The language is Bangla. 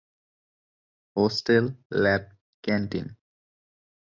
Hostel, lab, canteen.